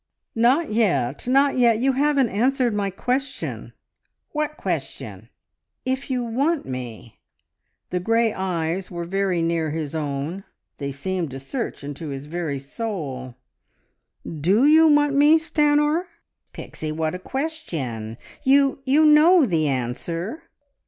"Not yet! Not yet! You haven't answered my question!" "What question?" "If you want me?" The grey eyes were very near his own. They seemed to search into his very soul. "Do you want me, Stanor?" "Pixie, what a question! You ... you know the answer."